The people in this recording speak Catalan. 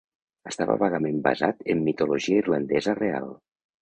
Estava vagament basat en mitologia irlandesa real.